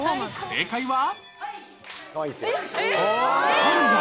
正解は。